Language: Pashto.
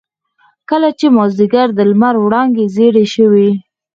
کله چې مازيګر د لمر وړانګې زيړې شوې.